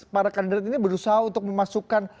para kandidat ini berusaha untuk memasukkan